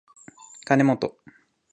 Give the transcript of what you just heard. かねもと